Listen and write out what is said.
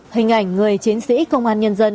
hình ảnh người chiến sĩ công an nhân dân